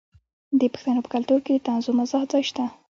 د پښتنو په کلتور کې د طنز او مزاح ځای شته.